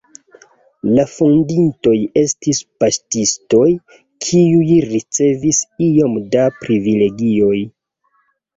La fondintoj estis paŝtistoj, kiuj ricevis iom da privilegioj.